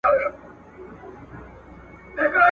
چا ته به یې نه ګټه نه تاوان ورسیږي ..